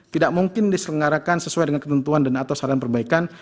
tidak mungkin diselenggarakan sesuai dengan ketentuan dan atau saran perbaikan